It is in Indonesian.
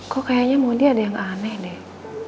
kok kayaknya modi ada yang aneh deh